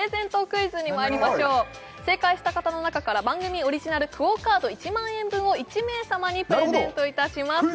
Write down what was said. クイズにまいりましょう正解した方の中から番組オリジナルＱＵＯカード１万円分を１名様にプレゼントいたします